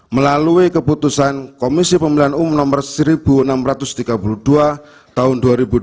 melalui keputusan komisi pemilihan umum no seribu enam ratus tiga puluh dua tahun dua ribu dua puluh